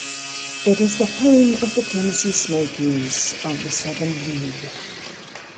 It is the home of the Tennessee Smokies of the Southern League.